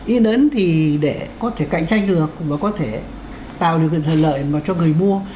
y nấn thì để có thể cạnh tranh được và có thể tạo được hợp lợi cho người mua